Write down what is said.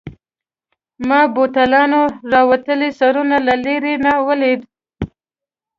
ما بوتلانو راوتلي سرونه له لیري نه ولیدل.